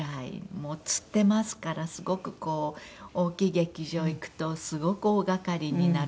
もうつってますからすごくこう大きい劇場行くとすごく大掛かりになるんですね。